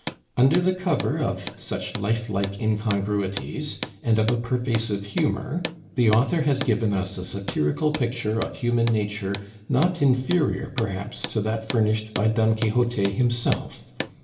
Under the cover of such lifelike incongruities, and of a pervasive humor, the author has given us a satirical picture of human nature not inferior, perhaps, to that furnished by Don Quixote himself.